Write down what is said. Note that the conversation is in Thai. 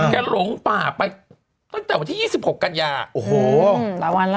หลงป่าไปตั้งแต่วันที่๒๖กันยาโอ้โหหลายวันแล้ว